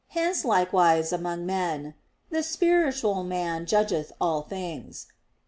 Hence likewise among men, "the spiritual man judgeth all things" (1 Cor.